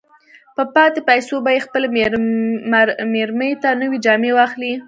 په پاتې پيسو به يې خپلې مېرمې ته نوې جامې واخلي.